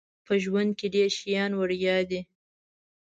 په ژوند کې ډیر شیان وړيا دي